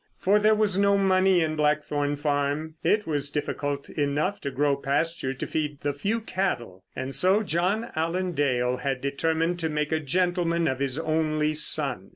For there was no money in Blackthorn Farm. It was difficult enough to grow pasture to feed the few cattle. And so John Allen Dale had determined to make a gentleman of his only son.